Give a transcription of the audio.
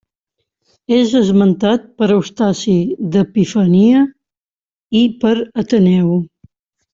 És esmentat per Eustaci d'Epifania i per Ateneu.